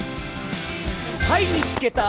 はい見つけた！